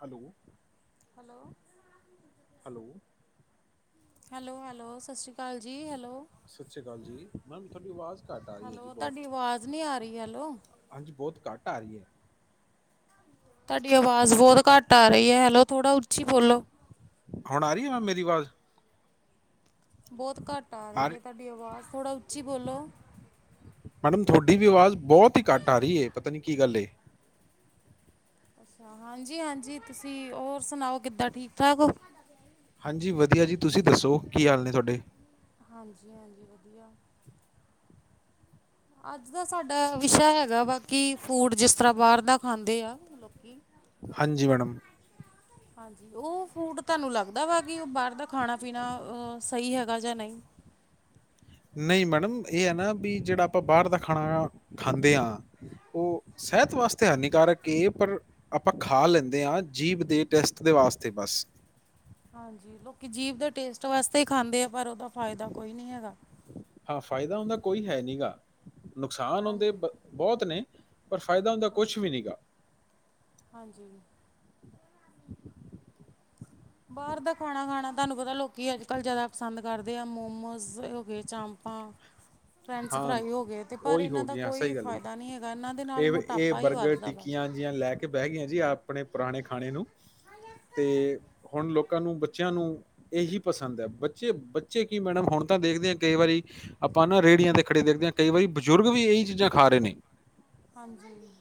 Hello. Hello hello hello hello ਸ ਸ੍ਰੀ ਕਾਲ ਜੀ ਹੈਲ ਸਤਿ ਸ਼੍ਰੀ ਅਕਾਲ ਜੀ ਮੈਮ ਤੁਹਾਡੀ ਆਵਾਜ਼ ਘੱਟ ਆ ਰਹੀ ਹੈ ਜੀ ਹੈਲੋ ਬਹੁਤ ਤੁਹਾਡੀ ਆਵਾਜ਼ ਨਹੀਂ ਆ ਰਹੀ ਹੈਲੋ ਹਾਂਜੀ, ਬਹੁਤ ਘੱਟ। ਆ ਰੀਏ। ਤੁਹਾਡੀ ਆਵਾਜ਼ ਬਹੁਤ ਹ ਘੱਟ ਆ ਰਹੀ ਹੈ ਹੈਲੋ ਥੋੜ੍ਹਾ ਉੱਚੀ ਬੋਲੋ। ਹੁਣ ਆ ਰਹੀ ਆ ਮਮ ਮੇਰੀ ਆਵਾਜ਼। ਬਹੁਤ ਘੱਟ ਆ ਰਹੀ ਹੈ ਤੁਹਾਡੀ ਆਵਾਜ਼ ਥੋੜਾ ਉੱਚੀ ਬੋਲੋ। ਮੈਡਮ ਥੋਡੀ ਵੀ ਆਵਾਜ਼ ਬਹੁਤ ਹੀ ਘੱਟ ਆ ਰਹੀ ਏ ਪਤਾ ਨੀ ਕੀ ਗੱਲ ਏ। [unintelligible] ਹਾਂਜੀ ਹਾਂਜੀ ਤੁਸੀਂ ਓਰ ਸੁਣਾਓ ਕਿੱਦਾਂ ਠੀਕ ਠਾਕ ਓ ਹਾਂਜੀ ਵਧੀਆ ਜੀ। ਤੁਸੀਂ ਦੱਸੋ ਕੀ ਹਾਲ ਨੇ ਥੋਡੇ? ਹਾਂਜੀ-ਹਾਂਜੀ ਵਧੀਆ ਅੱਜ ਦਾ ਸਾਡਾ ਵਿਸ਼ਾ ਹੈਗਾ ਵਾ ਕੀ ਫੂਡ ਜਿਸ ਤਰ੍ਹਾਂ ਬਾਹਰ ਦਾ ਖਾਂਦੇ ਆ ਲੋਕੀ ਹਾਂਜੀ ਮੈਡਮ ਹਾਂਜੀ ਉਹ ਫੂਡ ਤੁਹਾਨੂੰ ਲੱਗਦਾ ਵਾ ਕਿ ਓ ਬਾਹਰ ਦਾ ਖਾਣਾ ਪੀਣਾ ਅ ਸਹੀ ਹੈਗਾ ਜਾਂ ਨਹੀਂ [inaudible] ਨਹੀਂ ਮੈਡਮ ਇਹ ਐ ਨਾ ਵੀ ਜਿਹੜਾ ਆਪਾਂ ਬਾਹਰ ਦਾ ਖਾਣਾ ਖਾਂਦੇ ਆਂ ਉਹ ਸ ਸੈਹਤ ਵਾਸਤੇ ਹਾਨੀਕਾਰਕ ਏ ਪਰ ਆਪਾਂ ਖਾ ਲੈਂਦੇ ਹਾਂ ਜੀਭ ਦੇ ਟੈਸਟ ਦੇ ਵਾਸਤੇ ਬਸ ਹਾਂਜੀ ਲੋਕੀ ਜੀਭ ਦੇ ਟੇਸਟ ਵਾਸਤੇ ਹੀ ਖਾਂਦੇ ਆ ਪਰ ਉਹਦਾ ਫਾਇਦਾ ਕੋਈ ਨੀ ਹੈਗਾ ਹਾਂ ਫਾਇਦਾ ਹੁੰਦਾ ਕੋਈ ਹੈ ਨੀ ਗਾ ਨੁਕਸਾਨ ਹੁੰਦੇ ਹਾਂਜੀ ਪਰ ਬਹੁਤ ਨੇ ਪਰ ਫ਼ਾਇਦਾ ਹੁੰਦਾ ਕੁਛ ਵੀ ਨੀ ਗਾ ਹਾਂਜੀ ਬਾਹਰ ਦਾ ਖਾਣਾ ਖਾਣਾ ਤੁਹਾਨੂੰ ਪਤਾ ਲੋਕੀ ਅੱਜ ਕੱਲ ਜ਼ਿਆਦਾ ਪਸੰਦ ਕਰਦੇ ਆ ਮੋਮੋਸ ਹੋ ਗਏ ਚਾਂ ਹਾਂ ਫਰੈਂਚ ਹਾਂ ਫਰਾਈਸ ਹੋ ਗਏ ਤੇ ਪਰ ਉਹੀ ਹੋ ਇਹਨਾਂ ਦਾ ਗਈਆਂ ਕੋਈ ਸਹੀ ਗੱਲ ਹੈ ਜੀ ਫਾਇਦਾ ਨਹੀਂ ਹੈਗਾ ਇਹਨਾਂ ਦੇ ਨਾਲ ਮੋਟਾਪਾ ਹੀ ਵੱਧਦਾ ਵਾ ਹਾਂਜੀ ਹਾ ਲੈ ਕੇ ਬਹਿ ਗੇ ਆਂ ਜੀ ਆਪਣੇ ਪੁਰਾਣੇ ਖਾਣੇ ਨੂੰ ਤੇ ਹੁਣ ਲੋਕ ਕਾਂ ਨੂੰ ਬੱਚਿਆਂ ਨੂੰ ਇਹੀ ਪਸੰਦ ਹੈ, ਬੱਚੇ-ਬੱਚੇ ਕੀ ਮੈਡਮ ਹੁਣ ਤਾਂ ਦੇਖਦੇ ਆ ਕਈ ਵਾਰੀ ਅ ਆਪਾਂ ਨਾ ਰੇੜੀਆਂ ਤੇ ਖੜੇ ਦੇਖਦੇ ਹਾਂ ਕਈ ਵਾਰੀ ਬਜ਼ੁਰਗ ਵੀ ਇਹੀ ਚੀਜ਼ਾਂ ਖਾ ਰਹੇ ਨੇ। ਹਾਂਜੀ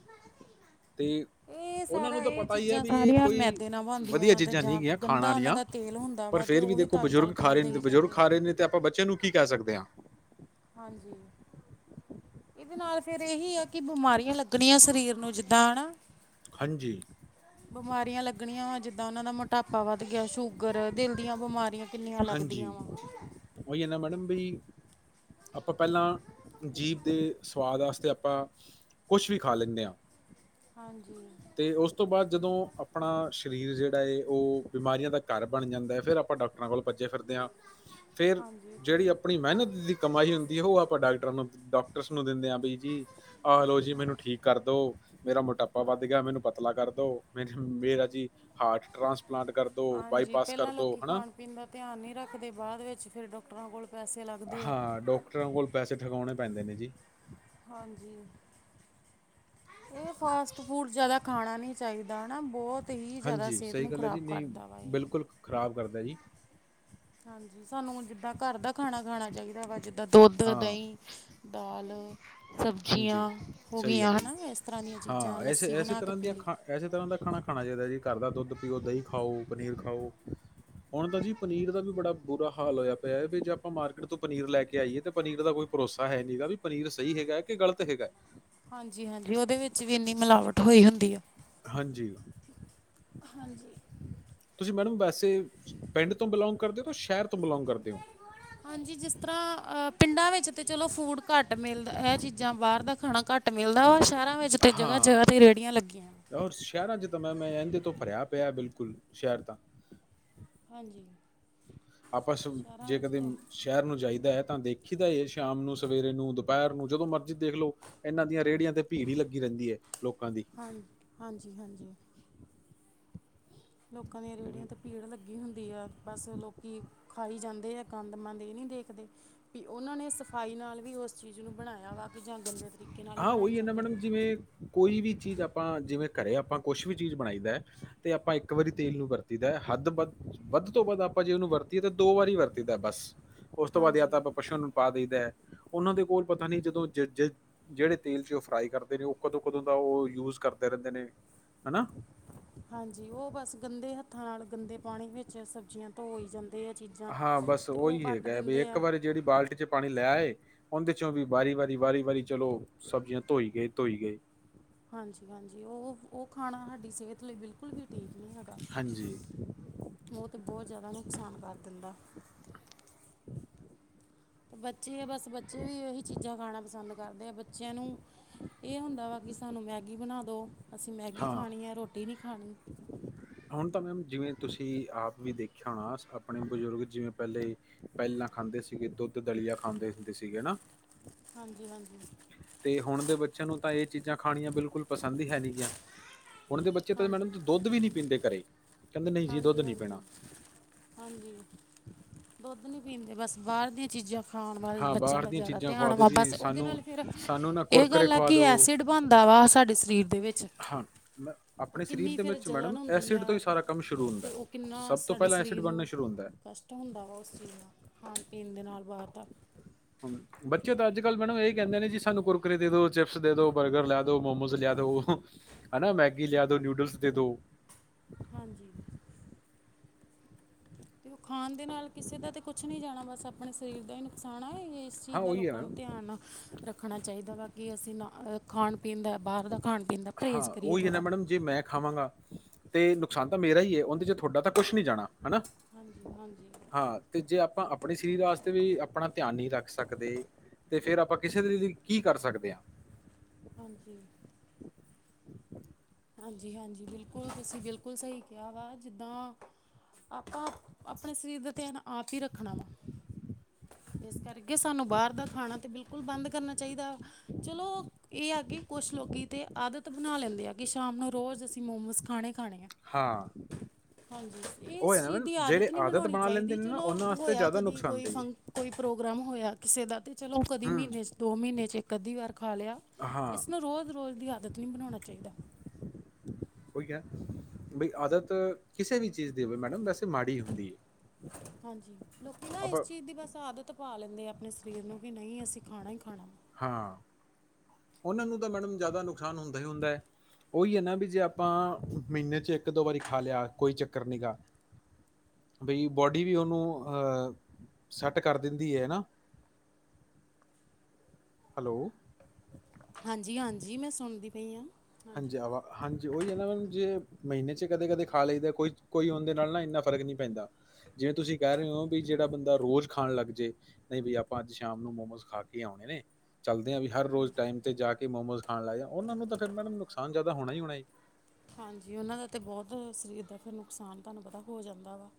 ਤੇ ਇਹ ਉਹਨਾਂ ਨੂੰ ਸਾਰਾ ਤਾਂ ਇਹ ਪਤਾ ਹੀ ਹੈ ਚੀਜ਼ਾਂ ਵੀ ਇਹ ਸਾਰੀਆਂ ਕੋਈ ਮੈਦੇ ਨਾਲ ਬਣਦੀਆਂ ਵਧੀਆ ਵਾ ਤੇ ਚੀਜ਼ਾਂ ਨੀ ਜਾਂ ਹੈਗੀਆਂ ਖਾਣ ਗੰਦਾ ਉਹਨਾਂ ਆਲੀਆਂ ਦਾ ਤੇਲ ਹੁੰਦਾ ਪਰ ਵਾ ਤੇ ਫੇਰ ਵੀ ਉਹੀ ਦੇਖੋ ਤਲ ਤਲ ਬਜ਼ੁਰਗ ਕੇ ਖਾ ਉਹ ਰਹੇ ਦੇਈ ਨੇ ਜਾਂਦੇ ਬਜ਼ੁਰਗ ਆ ਖਾ ਰਹੇ ਨੇ ਤੇ ਆਪਾਂ ਬੱਚੇ ਨੂੰ ਕੀ ਕਹਿ ਸਕਦੇ ਹਾਂ। ਹਾਂਜੀ ਇਹਦੇ ਨਾਲ ਫੇਰ ਇਹੀ ਆ ਕਿ ਬਿਮਾਰੀਆਂ ਲੱਗਣੀਆਂ ਸਰੀਰ ਨੂੰ ਜਿੱਦਾਂ ਹਨਾ। ਹਾਂਜੀ, ਬਿਮਾਰੀਆਂ ਲੱਗਣੀਆਂ ਵਾ ਜਿੱਦਾਂ ਉਹਨਾਂ ਦਾ ਮੋਟਾਪਾ ਵੱਧ ਗਿਆ ਸ਼ੂਗਰ ਦਿਲ ਦੀਆਂ ਬਿਮਾਰੀਆਂ ਕਿੰਨੀਆਂ ਲੱਗਦੀਆਂ ਹਾਂਜੀ ਵਾ। ਉਹੀ ਹੈ ਨਾ ਮੈਡਮ ਬਈ ਆਪਾਂ ਪਹਿਲਾਂ ਜੀਭ ਦੇ ਸਵਾਦ ਵਾਸਤੇ ਆਪਾ ਕੁਛ ਵੀ ਖਾ ਲੈਨੇ ਹਾ। ਹਾਂਜੀ ਤੇ ਉਸ ਤੋਂ ਬਾਦ ਜਦੋਂ ਆਪਣਾ ਸਰੀਰ ਜਿਹੜਾ ਹੈ ਉਹ ਬਿਮਾਰੀਆਂ ਦਾ ਘਰ ਬਣ ਜਾਂਦਾ ਹੈ ਫੇਰ ਆਪਾਂ ਡਾਕਟਰਾਂ ਕੋਲ ਭੱਜੇ ਫਿਰਦੇ ਆ। ਫੇਰ ਹਾਂਜੀ ਜਿਹੜੀ ਆਪਣੀ ਮਿਹਨਤ ਦੀ ਕਮਾਈ ਹੁੰਦੀ ਹੈ ਉਹ ਆਪਾਂ ਡਾਕਟਰਾਂ ਨੂੰ ਡਾਕਟਰਸ ਨੂੰ ਦਿੰਦੇ ਆ ਬ ਜੀ ਆਹਲੋ ਜੀ ਮੈਨੂੰ ਠੀਕ ਕਰ ਦੋ ਮੇਰਾ ਮੋਟਾਪਾ ਵੱਧ ਆ ਮੈਨੂੰ ਪਤਲਾ ਕਰਦੋ ਮਨ ਮੇਰਾ ਜੀ ਹਾਰਟ ਟਰਾਂਸ ਹਾਂਜੀ ਪਹਿਲਾਂ ਲੋਕੀ ਖਾਣ ਪੀਣ ਦਾ ਧਿਆਨ ਨਹੀਂ ਰੱਖਦੇ ਬਾਅਦ ਵਿੱਚ ਫਿਰ ਡਾਕਟਰਾਂ ਕੋਲ ਪੈਸੇ ਲੱਗਦੇ ਆ ਹਾਂ ਡਾਕਟਰਾਂ ਕੋਲ ਪੈਸੇ ਠਕਾਉਣੇ ਪੈਂਦੇ ਨੇ ਜੀ। ਹਾਂਜੀ ਇਹ ਫਾਸਟ ਫੂਡ ਜਾਦਾ ਖਾਣਾ ਨੀ ਚਾਹੀਦਾ ਹਨਾ ਬਹੁਤ ਹੀ ਜ਼ਿਆਦਾ ਹਾਂਜੀ ਸਿਹਤ ਸਹੀ ਨੂੰ ਗੱਲ ਹੈ ਜੀ ਖਰਾਬ ਨਹੀਂ ਕਰਦਾ ਵਾ ਇਹ ਬਿਲਕੁਲ ਖ਼ਰਾਬ ਕਰਦਾ ਜੀ। ਹਾਂਜੀ ਸਾਨੂੰ ਜਿੱਦਾਂ ਘਰ ਦਾ ਖਾਣਾ ਖਾਣਾ ਚਾਹੀਦਾ ਵਾ ਜਿੱਦਾਂ ਦੁੱਧ, ਹਾਂ ਦਹੀ। ਦਾਲ। ਹਾਂਜੀ ਸਬਜ਼ੀਆਂ ਹੋ ਸਹੀ ਗਈਆਂ ਗੱਲ ਹੈ ਜੀ ਹਨਾ ਇਸ ਤਰ੍ਹਾਂ ਦੀਆਂ ਚੀਜ਼ਾਂ ਹਾਂ, ਐਸੇ ਲੱਸੀ ਐਸੇ ਬਣਾ ਕੇ ਤਰ੍ਹਾਂ ਪੀ ਦੀਆਂ ਲੀ। ਖਾ ਐਸੇ ਤਰ੍ਹਾਂ ਦਾ ਖਾਣਾ ਖਾਣਾ ਚਾਹੀਦਾ ਜੀ ਘਰ ਦਾ ਦੁੱਧ ਪੀਓ, ਦਹੀਂ ਖਾਓ, ਪਨੀਰ ਖਾਓ। ਹੁਣ ਤਾ ਜੀ ਪਨੀਰ ਦਾ ਵੀ ਬੜਾ ਬੁਰਾ ਹਾਲ ਹੋਇਆ ਪਿਆ ਵੀ ਜੇ ਆਪਾਂ ਮਾਰਕੀਟ ਤੋਂ ਪਨੀਰ ਲੈ ਕੇ ਆਈਏ ਤੇ ਪਨੀਰ ਦਾ ਕੋਈ ਭਰੋਸਾ ਹੈ ਨੀ ਹੈਗਾ ਵੀ ਪਨੀਰ ਸਹੀ ਹੈਗਾ ਕਿ ਗਲਤ ਹੈਗਾ। ਹਾਂਜੀ-ਹਾਂਜੀ ਉਹਦੇ ਵਿੱਚ ਵੀ ਇੰਨੀ ਮਿਲਾਵਟ ਹੋਈ ਹੁੰਦੀ ਆ। ਹਾਂਜੀ ਤੁਸੀਂ ਮੈਡਮ ਵੈਸੇ ਪਿੰਡ ਤੋਂ ਬਿਲੋਂਗ ਕਰਦੇ ਹੋ ਕੇ ਸ਼ਹਿਰ ਤੋਂ ਬਿਲੋਂਗ ਕਰਦੇ ਹੋ। ਹਾਂਜੀ ਜਿਸ ਤਰ੍ਹਾਂ ਅ ਪਿੰਡਾਂ ਵਿੱਚ ਤੇ ਚਲੋ ਫੂਡ ਘੱਟ ਮਿਲਦਾ ਇਹ ਚੀਜ਼ਾਂ ਬਾਹਰ ਦਾ ਖਾਣਾ ਘੱ ਘੱਟ ਮਿਲਦਾ ਵਾ ਸ਼ਹਿਰਾਂ ਵਿੱਚ ਤੇ ਹਾਂ, ਜਗ੍ਹਾ-ਜਗ੍ਹਾ ਤੇ ਰੇਹੜੀਆਂ ਲੱਗੀਆਂ। ਇ ਤੋਂ ਪਰਿਆ ਪਿਆ ਬਿਲਕੁਲ ਸ਼ਹਿਰ ਤਾਂ। ਹਾਂਜੀ ਆਪਾਂ ਸ਼ਹਿਰਾਂ ਜੇ ਵਿੱਚ ਕਦੇ ਤੇ ਸ਼ਹਿਰ ਨੂੰ ਜਾਈ ਦਾ ਤਾਂ ਦੇ ਖੀ ਦਾ ਏ ਸ਼ਾਮ ਨੂੰ, ਸਵੇਰੇ ਨੂੰ, ਦੁਪਹਿਰ ਨੂੰ ਜਦੋਂ ਮਰਜ਼ੀ ਦੇਖ ਲਓ ਇਹਨਾਂ ਦੀਆਂ ਰੇੜੀਆਂ ਤੇ ਭੀੜ ਹੀ ਲੱਗੀ ਰਹਿੰਦੀ ਐ। ਹਾਂ ਹਾਂਜੀ-ਹਾਂਜੀ ਲੋਕਾਂ ਦੀਆਂ ਰੇੜੀਆਂ ਉਹੀ- ਤੇ ਪੀੜ ਲੱਗੀ ਬਸ ਲੋਕੀ ਖਾਈ ਜਾਂਦੇ ਆ ਗੰਦ ਮੰਦ ਹੀ ਨਹੀਂ ਦੇਖਦੇ ਵੀ ਉਹਨਾਂ ਨੇ ਸਫਾਈ ਨਾਲ ਵੀ ਉਸ ਚੀਜ਼ ਨੂੰ ਬਣਾਇਆ ਵਾ ਤੇ ਜਾਂ ਗੰਦੇ ਤਰੀਕੇ ਨਾਲ ਹੀ ਆ ਬਣਾਈ ਉਹੀ ਇਨਾ ਜਾਂਦੇ ਮੈਡਮ ਜਿਵੇਂ ਕੋਈ ਵੀ ਚੀਜ਼ ਆਪਾ ਜਿਵੇਂ ਘਰੇ ਆਪਾਂ ਕੁਛ ਵੀ ਚੀਜ਼ ਬਣਾਈਦਾ ਤੇ ਆਪਾਂ ਇੱਕ ਵਾਰੀ ਤੇਲ ਨੂੰ ਵਰਤੀਦਾ ਹੱਦ ਵੱਧ, ਵੱਧ ਤੋਂ ਵੱਧ ਅੱਪ ਭਾਜੀ ਨੂੰ ਵਰਤੀ ਤੇ ਦੋ ਵਾਰੀ ਵਰਤੀਦਾ ਬਸ ਉਸ ਤੋਂ ਬਾਅਦ ਹਾਂਜੀ ਆਪਾਂ ਪਸ਼ੂ ਨੂੰ ਪਾ ਦਈਦਾ ਉਹਨਾਂ ਦੇ ਕੋਲ ਪਤਾ ਨਹੀਂ ਜਦੋਂ ਜੇ ਜੇ ਜਿਹੜੇ ਤੇਲ ਚ ਉਹ ਫਰਾਈ ਕਰਦੇ ਨੇ ਉਹ ਕਦੋਂ-ਕਦੋਂ ਦਾ ਉਹ ਯੂਜ ਕਰਦੇ ਰਹਿੰਦੇ ਨੇ ਹਨਾ। ਹਾਂਜੀ ਉਹ ਬਸ ਗੰਦੇ ਹੱਥਾਂ ਨਾਲ ਗੰਦੇ ਪਾਣੀ ਵਿੱਚ ਸਬਜ਼ੀਆ ਹਾਂ ਬਸ ਉਹੀ ਕੱਟ ਹੈਗਾ ਵੀ ਦਿੰਦੇ ਇੱਕ ਆ ਵਾਰੀ ਜਿਹੜੀ ਬਾਲਟੀ ਚ ਪਾਣੀ ਲੈ ਉਹਦੇ ਚੋਂ ਵੀ ਬਾਰੀ ਵਾਰੀ ਵਾਰੀ ਚਲੋ ਸਬਜੀਆਂ ਧੋਈ ਗਏ, ਧੋਈ ਗਏ। ਹਾਂਜੀ-ਹਾਂਜੀ ਉਹ ਖਾਣਾ ਹਾਡੀ ਸਿਹਤ ਲਈ ਬਿਲਕੁਲ ਵੀ ਠੀਕ ਨੀ ਹੈਗਾ। ਹਾਂਜੀ, ਉਹ ਤੇ ਬਹੁਤ ਜਾਦਾ ਨੁਕਸਾਨ ਕਰ ਦਿੰਦਾ। ਬੱਚੇ ਆ ਬਸ ਬੱਚੇ ਵੀ ਉਹੀ ਚੀਜ਼ਾਂ ਗਾਣਾ ਪਸੰਦ ਕਰਦੇ ਆ, ਬੱਚਿਆਂ ਨੂੰ ਇਹ ਹੁੰਦਾ ਵਾ ਕਿ, ਸਾਨੂੰ ਮੈਗੀ ਬਣਾ ਦੋ ਅਸੀਂ ਮੈਗੀ ਹਾਂ ਖਾਣੀ ਐ। ਹਾਂਜੀ, ਹੁਣ ਤਾਂ ਮੈਮ ਜਿਵੇਂ, ਤੁਸੀਂ ਆਪ ਵੀ ਦੇਖਿਆ ਹੋਣਾ ਆਪਣੇ ਬਜ਼ੁਰਗ ਜਿਵੇਂ ਪਹਿਲੇ ਦੇ ਸੀਗੇ ਦੁੱਧ ਦਲੀ ਆ ਖਾਂਦੇ ਹੁੰਦੇ ਸੀਗੇ ਹਨਾ। ਹਾਂਜੀ-ਹਾਂਜੀ, ਤੇ ਹੁਣ ਦੇ ਬੱਚਿਆਂ ਨੂੰ ਤਾਂ ਇਹ ਚੀਜ਼ਾਂ ਖਾਣੀਆਂ ਬਿਲਕੁਲ ਪਸੰਦ ਹੀ, ਹੁਣ ਦੇ ਬੱਚੇ ਤਾ ਮੈਡਮ ਦੁੱਧ ਵੀ ਨਹੀਂ ਪੀਂਦੇ ਘਰੇ, ਕਹਿੰਦੇ ਨਹੀਂ ਜੀ ਦੁੱਧ ਨਹੀਂ ਪੀਣਾ। ਹਾਂਜੀ-ਹਾਂਜੀ-ਹਾਂਜੀ, ਦੁੱਧ ਨੀ ਪੀਣ ਦੇ ਬਸ ਬਾਹਰ ਦੀਆਂ ਚੀਜ਼ਾਂ। ਹਾਂ ਬਾਈ ਬੱਚਿਆਂ ਬਾਹਰ ਦਾ ਦੀਆਂ ਜ਼ਿਆਦਾ ਚੀਜ਼ਾਂ ਧਿਆਨ ਖਵਾ ਦੋ ਵਾ ਜੀ ਬਸ ਉਹਦੇ ਸਾਨੂੰ, ਸਾਨੂੰ ਨਾ ਕੁਰਕਰੇ ਖਵਾ ਦੋ ਸਾਡੇ ਸਰੀਰ ਦੇ ਵਿੱਚ, ਹਾਂ ਮ ਉਹ ਆਪਣੇ ਸਰੀਰ ਕਿੰਨੀ ਦੇ ਫਿਰ ਵਿੱਚ ਮੈਡਮ ਜਲਣ ਹੁੰਦੀ ਐਸਿਡ ਤੋਂ ਆ, ਹੀ ਸਾਰਾ ਕੰਮ ਸ਼ੁਰੂ ਹੁੰਦਾ ਤੇ ਉਹ ਹੈ। ਕਿੰਨਾ ਸਭ ਤੋਂ ਸਾਡੇ ਪਹਿਲਾਂ ਐਸਿਡ ਸਰੀਰ ਬਣਨਾ ਨੂੰ ਸ਼ੁਰੂ ਹੁੰਦਾ ਹੈ। ਪੀਣ ਦੇ ਨਾਲ ਵਾਰਤਾ, ਬੱਚੇ ਤਾਂ ਅੱਜ-ਕੱਲ ਮੈਡਮ ਇਹੀ ਕਹਿੰਦੇ ਨੇ ਜੀ ਸਾਨੂੰ ਕੁਰਕਰੇ ਦੇ ਦੋ ਜਿਪਸ ਦੇ ਦੋ ਬਰਗਰ ਲੈ ਦੋ ਮੋਮੋਜ਼ ਲਿਆ। ਹਨਾ, ਮੈਂ ਕੀ ਲਿਆ ਦੋ ਨਿਊਟਰਲ ਦੇ ਦੋ ਹਾਂਜੀ, ਦੇ ਨਾਲ ਕਿਸੇ ਦਾ ਤੇ ਕੁਝ ਨਹੀਂ ਜਾਣਾ ਬਸ ਆਪਣੇ ਸਰੀਰ, ਇਸ ਹਾਂ, ਚੀਜ਼ ਦਾ ਉਹੀ ਹੈ ਲੋਕਾਂ ਨੂੰ ਮੈਮ ਧਿਆਨ ਨਾਲ ਰੱਖਣਾ। ਅਸੀਂ ਖਾਣ ਪੀਣ ਦਾ ਬਾਹਰ ਦਾ ਖਾਣ ਪੀਣ ਦਾ ਹਾਂ ਪਰਹੇਜ਼ ਕਰੀਏ ਉਹ ਹੀ ਜਾਂਦਾ ਥੋੜਾ ਮੈਡਮ ਜੇ ਮੈਂ ਖਾਵਾਂਗਾ। ਤੇ ਨੁਕਸਾਨ ਤਾਂ ਮੇਰਾ ਹੀ ਐ, ਉਹਦੇ ਚ ਤੁਹਾਡਾ ਹਨਾ, ਹਾਂਜੀ ਹਾਂਜੀ ਹਾਂ ਤੇ ਜੇ ਆਪਾਂ ਆਪਣੇ ਸਰੀਰ ਵਾਸਤੇ ਵੀ ਆਪਣਾ ਧਿਆਨ ਨਹੀਂ ਸਕਦੇ ਤੇ ਫਿਰ ਆਪਾਂ ਕਿਸੇ ਦੀ ਕੀ ਕਰ ਸਕਦੇ ਆਂ। ਹਾਂਜੀ, ਹਾਂਜੀ, ਬਿਲਕੁਲ ਤੁਸੀਂ ਬਿਲਕੁਲ ਸਹੀ ਕਿਹਾ ਵਾ ਜਿੱਦਾਂ। ਆਪਣੇ ਸਰੀਰ ਦਾ ਧਿਆਨ ਆਪ ਹੀ ਰੱਖਣਾ ਵਾ ਇਸ ਕਰਕੇ ਸਾਨੂੰ ਬਾਹਰ ਦਾ ਖਾਣਾ ਤੇ ਬਿਲਕੁਲ ਬੰਦ ਕਰਨਾ ਚਾਹੀਦਾ ਚਲੋ ਇਹ ਕਿਉਂਕਿ ਤੇ ਆਦਤ ਬਣਾ ਲੈਂਦੇ, ਆ ਕਿ ਸ਼ਾਮ ਨੂੰ ਰੋਜ਼ ਅਸੀਂ ਮੋਮਸ ਖਾ ਹਾਂ, ਉਹ ਇਸ ਹੈ ਨਾ ਚੀਜ਼ ਮੈਮ ਦੀ ਆਦਤ ਜਿਹੜੇ ਨਹੀਂ ਬਣਾਣੀ ਬਣਾ ਲੈਂਦੇ ਚਾਹੀਦੀ ਨੇ ਨਾ ਚਲੋ ਉਹਨਾਂ ਵਾਸਤੇ ਹੋਇਆ ਜ਼ਿਆਦਾ ਕਦੀ ਕੋਈ ਨੁਕਸਾਨਦੇਹ ਹੈ। ਕਿਸੇ ਦਾ ਤੇ ਚਲੋ ਕਦੀ ਹੂੰ, ਮਹੀਨੇ ਦੋ ਮਹੀਨੇ ਚ ਇੱਕ ਅੱਧੀ ਖਾ ਲਿਆ, ਹਾਂ, ਇਸ ਨੂੰ ਰੋਜ਼ ਰੋਜ਼ ਦੀ ਆਦਤ ਨਹੀਂ ਬਣਾਣਾ ਚਾਹੀਦਾ। ਹੋ ਗਿਆ ਬ ਆਦਤ ਕਿਸੇ ਵੀ ਚੀਜ਼ ਦੀ ਹੋ ਮੈਡਮ ਵੈਸੇ ਮਾੜੀ ਹੁੰਦੀ ਹੈ। ਹਾਂਜੀ, ਲੋਕੀ ਨਾ ਇਸ ਆਪਾਂ ਚੀਜ਼ ਦੀ ਬਸ ਆਦਤ ਪਾ ਕਦੇ ਆਪਣੇ ਸਰੀਰ ਨੂੰ ਵੀ ਨਹੀਂ ਅਸੀਂ ਖਾਣਾ ਹੀ ਖਾਣਾ, ਹਾਂ ਉਹਨਾਂ ਨੂੰ ਤਾਂ ਮੈਡਮ ਜ਼ਿਆਦਾ ਨੁਕਸਾਨ ਹੁੰਦਾ ਹੀ ਹੁੰਦਾ ਹੈ। ਉਹੀ ਹੈ ਨਾ, ਵੀ ਜੇ ਆਪਾਂ ਮਹੀਨੇ ਚ ਇੱਕ ਦੋ ਵਾਰੀ ਖਾ ਲਿਆ ਕੋਈ ਚੱਕਰ ਨੀ ਗਾ। ਬਈ ਬੋਡੀ ਵੀ ਉਹਨੂੰ ਸੈਟ ਕਰ ਦਿੰਦੀ ਹੈ ਨਾ, [inaudible] ਹੈਲੋ, ਹਾਂਜੀ-ਹਾਂਜੀ, ਮੈਂ ਸੁਣਦੀ ਪਈ ਹਾਂ। ਹਾਂਜੀ ਆਵਾ ਹਾਂਜੀ, ਉਹੀ ਹੈ ਨਾ ਜੇ ਮਹੀਨੇ ਚ ਕਦੇ ਕਦੇ ਖਾ ਲਈਦਾ, ਕੋਈ-ਕੋਈ ਹੋਣ ਦੇ ਨਾਲ ਨਾ ਇੰਨਾ ਫਰਕ ਨੀ ਪੈਂਦਾ। ਜਿਵੇਂ ਤੁਸੀਂ ਕਹਿ ਰਹੇ ਹੋ, ਵੀ ਜਿਹੜਾ ਬੰਦਾ ਰੋਜ ਖਾਣ ਲੱਗ ਜਾਏ ਨਹੀਂ ਵੀ ਆਪਾਂ ਅੱਜ ਸ਼ਾਮ ਨੂੰ ਮੋਮੋਸ ਖਾ ਕੇ ਆਣੇ ਨੇ। [unintelligible] ਵੀ ਹਰ ਰੋਜ਼ ਹਾਂਜੀ ਟਾਈਮ ਤੇ ਜਾ ਕੇ ਮੋਮੋਸ ਖਾਣ ਲਾਏ, ਜਾ ਉਹਨਾ ਨੂੰ ਤਾਂ ਫਿਰ ਮੈਮ ਨੁਕਸਾਨ ਜ਼ਿਆਦਾ ਹੋਣਾ ਈ ਹੋਣਾ। ਹਾਂਜੀ, ਉਹਨਾਂ ਦਾ ਤਾਂ ਬਹੁਤ ਸਰੀਰ ਦਾ ਫਿਰ ਨੁਕਸਾਨ ਤੁਹਾਨੂੰ ਪਤਾ ਹੋ ਜਾਂਦਾ ਵਾ।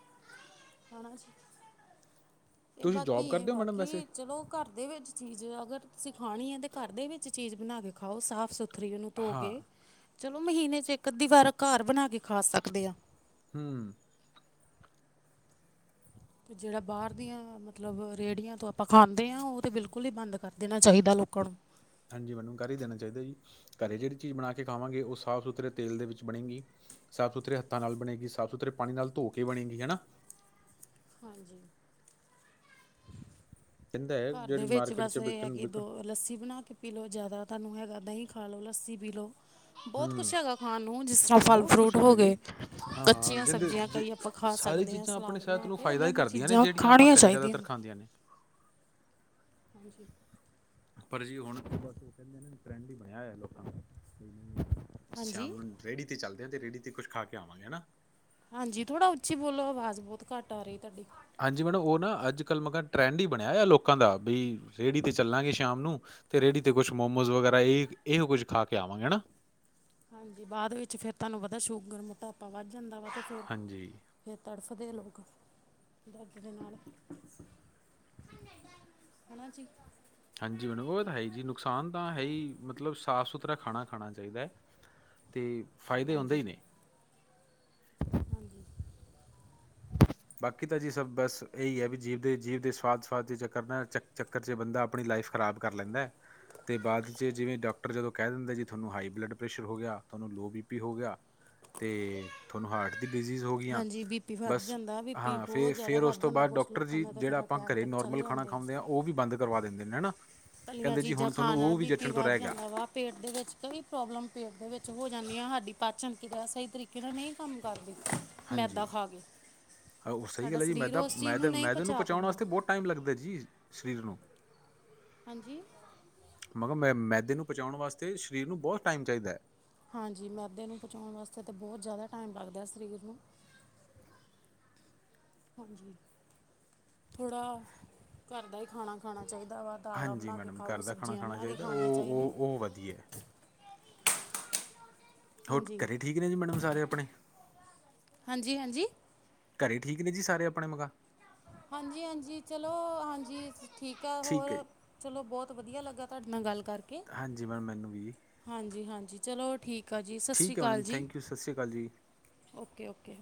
[inaudible] ਤੇ ਤੁਸੀਂ ਬਾਕੀ ਜੋਬ ਇਹ ਕਰਦੇ ਹੋ ਮੈਡਮ ਵੈਸੇ? ਬਾਕੀ ਚਲੋ ਘਰ ਦੇ ਵਿੱਚ ਚੀਜ ਆ ਬਣਾ ਕੇ ਖਾਓ ਸਾਫ਼ ਸੁਥਰੀ ਉਹਨੂੰ ਧੋ ਹਾਂ, ਕੇ ਚਲੋ ਮਹੀਨੇ 'ਚ ਇੱਕ ਅੱਧੀ ਵਾਰ ਘਰ ਬਣਾ ਕੇ ਖਾ ਸਕਦੇ ਆ। ਹੂੰ ਜਿਹੜਾ ਬਾਹਰ ਦੀਆਂ ਮਤਲਬ ਰੇਹੜੀਆਂ ਤੋਂ ਆਪਾਂ ਖਾਂਦੇ ਹਾਂ ਉਹ ਤਾਂ ਬਿਲਕੁਲ ਹੀ ਬੰਦ ਕਰ ਦੇਣਾ ਚਾਹੀਦਾ ਲੋਕਾਂ ਨੂੰ ਹਾਂਜੀ ਮੈਨੂੰ ਘਰ ਹੀ ਦੇਣਾ ਚਾਹੀਦਾ ਜੀ ਘਰੇ ਜਿਹੜੀ ਚੀਜ਼ ਬਣਾ ਕੇ ਖਾਵਾਂਗੇ ਉਹ ਸਾਫ਼ ਸੁਥਰੇ ਤੇਲ ਦੇ ਵਿੱਚ ਬਣੇਗੀ। ਸਾਫ਼ ਸੁਥਰੇ ਹੱਥਾਂ ਨਾਲ ਬਣੇਗੀ ਸਾਫ਼ ਸੁਥਰੇ ਪਾਣੀ ਨਾਲ ਧੋ ਕੇ ਬਣੇਗੀ ਹਨਾ। [inaudible] ਕਹਿੰਦਾ ਹੈ ਘਰ ਦੇ ਜਿਹੜੀ ਵਿੱਚ ਮਾਰਕੀਟ ਬਸ 'ਚ ਇਹ ਹੈ ਵਿਕਣ ਕਿ ਦੋ ਵਿਕਣ ਲੱਸੀ ਬਣਾ ਕੇ ਪੀ ਲਓ ਜਿਆਦਾ ਤੁਹਾਨੂੰ ਹੈਗਾ। ਦਹੀਂ ਖਾ ਲਓ ਲੱਸੀ ਪੀ ਲਓ। ਬਹੁਤ ਕੁਛ ਹੂੰ। ਹੈਗਾ ਖਾਣ ਨੂੰ ਜਿਸ ਤਰ੍ਹਾਂ ਫਲ ਬਹੁਤ ਕੁਛ ਫਰੂਟ ਹੋ ਹੈਗਾ ਜੀ। ਗਏ ਹਾਂ ਕੱਚੀਆਂ ਜਿੰਦੇ ਸਬਜ਼ੀਆਂ ਜ ਕਈ ਆਪਾਂ ਖ ਖਾ ਸਾਰੀ ਸਕਦੇ ਹਾਂ ਚੀਜ਼ਾਂ ਆਪਣੀ ਸਲਾਦ ਸਿਹਤ ਬਣਾ ਨੂੰ ਕੇ ਫਾਇਦਾ ਏਦਾਂ ਹੀ ਦੀਆਂ ਕਰਦੀਆਂ ਨੇ ਚੀਜ਼ਾਂ ਜਿਹੜੀਆਂ ਆਪਾਂ ਖਾਣੀਆਂ ਘਰੇ ਚਾਹੀਦੀਆਂ। ਜ਼ਿਆਦਾਤਰ ਖਾਂਦੀਆਂ ਨੇ। [inaudible] ਪਰ ਜੀ ਹੁਣ ਬਸ ਉਹ ਕਹਿੰਦੇ ਆ ਨਾ ਟਰੈਂਡ ਹੀ ਬਣਿਆ ਹੈ ਲੋਕਾਂ ਨਾਲ ਸ਼ਾਮ ਹਾਂਜੀ ਨੂੰ ਰੇਹੜੀ ਤੇ ਚੱਲਦੇ ਆ ਤੇ ਰੇੜੀ ਤੇ ਕੁਝ ਖਾ ਕੇ ਆਵਾਂਗੇ ਹਨਾ। ਹਾਂਜੀ ਥੋੜਾ ਉੱਚੀ ਬੋਲੋ ਆਵਾਜ਼ ਬਹੁਤ ਘੱਟ ਆ ਰਹੀ ਤੁਹਾਡੀ ਹਾਂਜੀ ਮੈਡਮ ਉਹ ਨਾ ਅੱਜ ਕੱਲ੍ਹ ਮੈਂ ਕਿਹਾ ਟਰੈਂਡ ਹੀ ਬਣਿਆ ਆ ਲੋਕਾਂ ਦਾ ਬਈ ਰੇਹੜੀ ਤੇ ਚੱਲਾਂਗੇ ਸ਼ਾਮ ਨੂੰ ਤੇ ਰੇੜੀ ਤੇ ਕੁਛ ਮੋਮੋਸ ਵਗੈਰਾ ਇਹੋ ਕੁਝ ਖਾ ਕੇ ਆਵਾਂਗੇ ਹਨਾ। ਹਾਂਜੀ ਬਾਅਦ ਵਿੱਚ ਫੇਰ ਤੁਹਾਨੂੰ ਪਤਾ ਸ਼ੂਗਰ ਮੋਟਾਪਾ ਵੱਧ ਜਾਂਦਾ ਵਾ ਤੇ ਫਿਰ- ਹਾਂਜੀ। ਫਿਰ ਤਰਸ ਵਧੇ ਲੋਕ ਦਰਦ ਦੇ ਨਾਲ [inaudible] ਹਾਂਜੀ ਮੈਨੂੰ ਉਹ ਤਾਂ ਹੈ ਜੀ ਨੁਕਸਾਨ ਤਾਂ ਹੈ ਹੀ ਮਤਲਬ ਸਾਫ਼ ਸੁਥਰਾ ਖਾਣਾ -ਖਾਣਾ ਚਾਹੀਦਾ। ਤੇ ਫਾਇਦੇ ਹੁੰਦੇ ਹੀ ਹਾਂਜੀ ਨੇ। ਹਾਂਜੀ ਬਾਕੀ ਤਾਂ ਜੀ ਸਭ ਬਸ ਇਹੀ ਹੈ ਵੀ ਜੀਵ ਦੇ ਜੀਵ ਦੇ ਸਵਾਦ -ਸਵਾਦ ਦੇ ਚੱਕਰ ਨਾ ਚੱਕਰ 'ਚ ਬੰਦਾ ਆਪਣੀ ਲ ਲਾਈਫ ਖਰਾਬ ਕਰ ਲੈਂਦੇ। ਅਤੇ ਬਾਅਦ 'ਚ ਜਿਵੇਂ ਡਾਕਟਰ ਜਦੋਂ ਕਹਿ ਦਿੰਦੇ ਜੀ ਤੁਹਾਨੂੰ ਹਾਈ ਬਲੱਡ ਪ੍ਰੈਸ਼ਰ ਹੋ ਗਿਆ ਤੁਹਾਨੂੰ ਲੋ ਬੀ ਪੀ ਹੋ ਗਿਆ। ਤੇ ਤੁਹਾਨੂੰ ਹਾਰਟ ਦੀ ਡਿਜ਼ੀਜ਼ ਹੋ ਗਈਆਂ ਹਾਂਜੀ ਬੀਪੀ ਵੱਧ ਬਸ ਜਾਂਦਾ ਬੀਪੀ ਹਾਂ ਬਹੁਤ ਫਿਰ ਜ਼ਿਆਦਾ -ਫਿਰ ਉਸ ਵੱਧ ਤੋਂ ਜਾਂਦਾ ਬਾਅਦ ਕੁਛ ਡਾਕਟਰ ਲੋਕਾਂ ਜੀ ਦਾ ਤਾਂ ਜਿਹੜਾ ਫਿਰ ਆਪਾਂ ਅਟੈਕ ਘਰੇ ਤੱਕ ਚੱਲ ਨੋਰਮਲ ਖਾਣਾ ਜਾਂਦੇ ਆ ਖਾਂਦੇ ਹਾਂ ਉਹ ਵੀ ਬੰਦ ਕਰਵਾ ਦਿੰਦੇ ਨੇ ਹਨਾ। ਤਲੀਆਂ ਕਹਿੰਦੇ ਜੀ ਚੀਜ਼ਾਂ ਹੁਣ ਤੁਹਾਨੂੰ ਖਾਣ ਨਾਲ ਉਹ ਵੀ ਬੀ ਪੀ ਜਚਣ ਤੋਂ ਵਧ ਰਹਿ ਗਿਆ ਜਾਂਦਾ ਵਾ ਪੇਟ ਦੇ ਵਿੱਚ ਕਈ ਪ੍ਰੋਬਲਮ ਪੇਟ ਦੇ ਵਿੱਚ ਹੋ ਜਾਂਦੀ ਹਾਂ ਸਾਡੀ ਪਾ ਚਮਕੀ ਦਾ ਸਹੀ ਤਰੀਕੇ ਨਾਲ ਨਹੀਂ ਕੰਮ ਕਰਦੀ ਮੈਦਾ ਖਾ ਕੇ ਹਾਂ ਉਹ ਸਹੀ ਸਾਡਾ ਗੱਲ ਹੈ ਜੀ ਸਰੀਰ ਮੈਦਾ- ਉਸ ਚੀਜ਼ ਮੈਦਾ ਨਹੀਂ ਮੈਦੇ ਨੂੰ ਪਚਾ ਪਹੁੰਚਾਉਣ ਪਾਉਂਦਾ ਵਾਸਤੇ ਬਹੁਤ ਟਾਈਮ ਲੱਗਦਾ ਜੀ ਸਰੀਰ ਨੂੰ ਹਾਂਜੀ ਮਗਰ ਮੈ ਮੈਦੇ ਨੂੰ ਪਹੁੰਚਾਉਣ ਵਾਸਤੇ ਸਰੀਰ ਨੂੰ ਬਹੁਤ ਟਾਈਮ ਚਾਹੀਦਾ। ਹਾਂਜੀ ਮੈਦੇ ਨੂੰ ਪਹੁੰਚਾਉਣ ਵਾਸਤੇ ਤਾਂ ਬਹੁਤ ਜ਼ਿਆਦਾ ਟਾਈਮ ਲੱਗਦਾ ਸਰੀਰ ਨੂੰ ਹਾਂਜੀ ਥੋੜਾ ਘਰ ਦਾ ਹੀ ਖਾਣਾ -ਖਾਣਾ। ਚਾਹੀਦਾ ਵਾ ਦਾਲਾਂ ਹਾਂਜੀ ਬਣਾ ਕੇ ਮੈਡਮ, ਖਾਓ ਘਰ ਦਾ ਖਾਣਾ ਸਬਜ਼ੀਆਂ ਖਾਣਾ ਬਣਾ ਕੇ ਚਾਹੀਦਾ ਖਣੀਆਂ ਉਹ ਚਾਹੀਦੀਆਂ। ਉਹ ਉਹ ਵਧੀਆ ਹੈ। ਹੋਰ ਹਾਂਜੀ ਘਰੇ ਠੀਕ ਨੇ ਜੀ ਮੈਡਮ ਸਾਰੇ ਆਪਣੇ ਹਾਂਜੀ ਹਾਂਜੀ ਘਰੇ ਠੀਕ ਨੇ ਜੀ ਸਾਰੇ ਆਪਣੇ ਮੰਗਾ ਹਾਂਜੀ -ਹਾਂਜੀ ਚਲੋ ਹਾਂਜੀ ਠੀਕ ਹੈ ਹੋਰ ਚਲੋ ਬਹੁਤ ਵਧੀਆ ਲੱਗਾ ਤੁਹਾਡਾ ਮੈਂ ਗੱਲ ਕਰਕੇ [unintelligible] ਹਾਂਜੀ -ਹਾਂਜੀ ਚਲੋ ਠੀਕ ਠੀਕ ਆ ਜੀ ਸਤਿ ਸ਼੍ਰੀ ਠੀਕ ਹੈ ਮੈਡਮ ਅਕਾਲ ਜੀ ਥੈਂਕ ਯੂ ਸਤਿ ਸ਼੍ਰੀ ਅਕਾਲ ਜੀ। Okay- okay